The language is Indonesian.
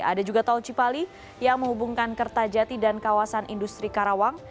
ada juga tol cipali yang menghubungkan kertajati dan kawasan industri karawang